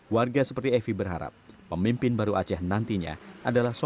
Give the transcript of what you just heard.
warga seperti evi berharap pemimpin baru aceh nantinya adalah sosok